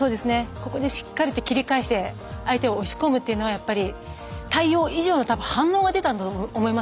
ここでしっかりと切りかえして相手を押し込むというのは対応以上の反応が出たんだと思います